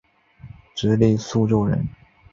直隶苏州人。